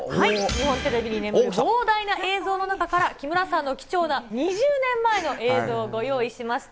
日本テレビに眠る膨大な映像の中から、木村さんの貴重な、２０年前の映像をご用意しました。